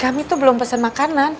kami tuh belum pesan makanan